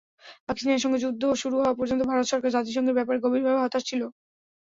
পাকিস্তানের সঙ্গে যুদ্ধ শুরু হওয়া পর্যন্ত ভারত সরকার জাতিসংঘের ব্যাপারে গভীরভাবে হতাশ ছিল।